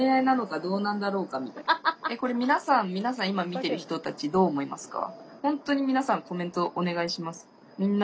えっこれみなさんみなさん今見ている人たちどう思いますか？